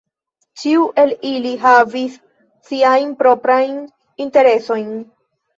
Ĉiu el ili havis siajn proprajn interesojn.